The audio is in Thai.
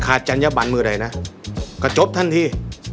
ขาดจัญญะบันเมื่อไหร่นะก็จบทันที